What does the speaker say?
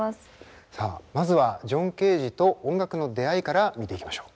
さあまずはジョン・ケージと音楽の出会いから見ていきましょう。